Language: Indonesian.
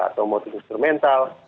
atau motif instrumental